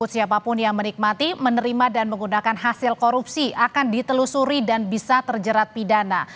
siapapun yang menikmati menerima dan menggunakan hasil korupsi akan ditelusuri dan bisa terjerat pidana